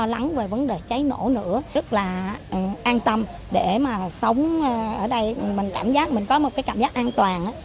lắng về vấn đề cháy nổ nữa rất là an tâm để mà sống ở đây mình cảm giác mình có một cái cảm giác an toàn